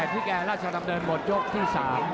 ๑๑๘พริกแอร์ราชดำเนินหมดยกที่๓